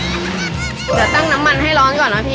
เดี๋ยวตั้งน้ำมันให้ร้อนก่อนนะพี่